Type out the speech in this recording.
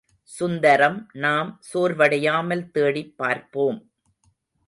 சுந்தரம், நாம் சோர்வடையாமல் தேடிப் பார்ப்போம்.